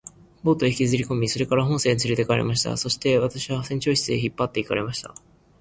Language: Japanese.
ボートへ引きずりこみ、それから本船へつれて行かれました。そして私は船長室へ引っ張って行かれました。